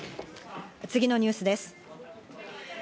次のニュースです。